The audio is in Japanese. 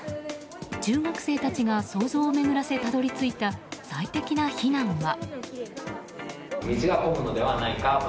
中学生たちが想像を巡らせたどり着いた最適な避難は。